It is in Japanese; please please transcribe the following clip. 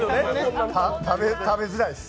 食べづらいです。